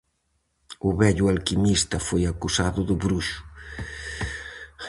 O vello alquimista foi acusado de bruxo.